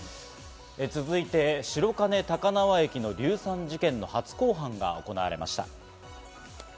続いて白金高輪駅の硫酸事件の初公判が行われました。